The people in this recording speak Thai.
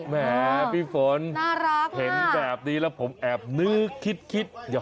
แหมผีฝนเห็นแบบนี้แล้วผมแอบนึกคิดมา